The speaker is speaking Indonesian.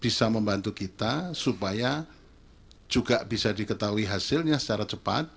bisa membantu kita supaya juga bisa diketahui hasilnya secara cepat